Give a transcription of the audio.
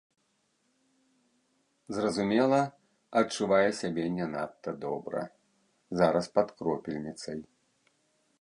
Зразумела, адчувае сябе не надта добра, зараз пад кропельніцай.